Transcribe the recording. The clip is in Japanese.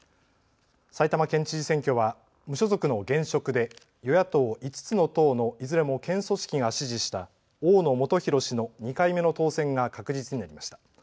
埼玉県知事選挙は無所属の現職で与野党５つの党のいずれも県組織が支持した大野元裕氏の２回目の当選が確実になりました。